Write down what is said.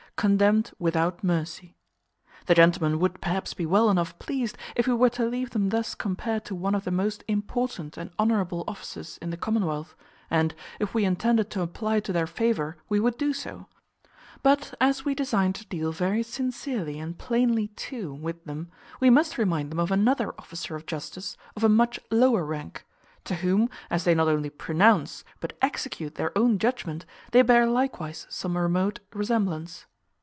_, condemned without mercy. The gentlemen would, perhaps, be well enough pleased, if we were to leave them thus compared to one of the most important and honourable offices in the commonwealth, and, if we intended to apply to their favour, we would do so; but, as we design to deal very sincerely and plainly too with them, we must remind them of another officer of justice of a much lower rank; to whom, as they not only pronounce, but execute, their own judgment, they bear likewise some remote resemblance.